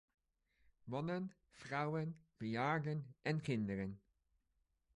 Mannen, vrouwen, bejaarden en kinderen.